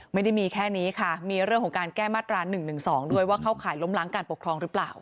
ไม่ได้มีแค่นี้ค่ะมีเรื่องของการแก้มัดร้านหนึ่งหนึ่งสองด้วยว่าเขาขายล้มหลังการปกครองหรือเปล่า